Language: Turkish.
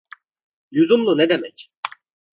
Lüzumlu ne demek?